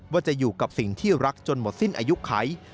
ว่าจะอยู่กับสิ่งที่รักจนหมดสิ้นอายุไข